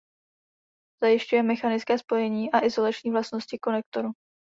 Zajišťuje mechanické spojení a izolační vlastnosti konektoru.